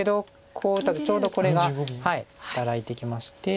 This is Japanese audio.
こう打った時ちょうどこれが働いてきまして。